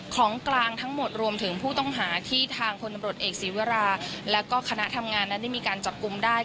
ของกลางทั้งหมดรวมถึงผู้ต้องหาที่ทางพลตำรวจเอกศีวราแล้วก็คณะทำงานนั้นได้มีการจับกลุ่มได้